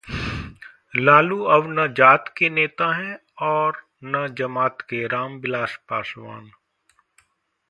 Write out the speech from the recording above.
लालू अब न जात के नेता हैं और न जमात के: रामविलास पासवान